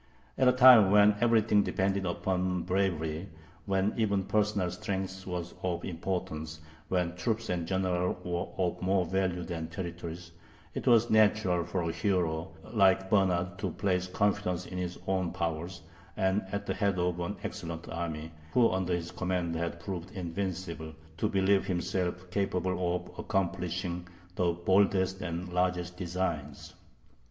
At a time when everything depended upon bravery, when even personal strength was of importance, when troops and generals were of more value than territories, it was natural for a hero like Bernard to place confidence in his own powers, and, at the head of an excellent army, who under his command had proved invincible, to believe himself capable of accomplishing the boldest and largest designs.